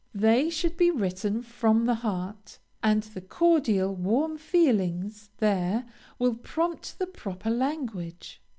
They should be written from the heart, and the cordial, warm feelings there will prompt the proper language.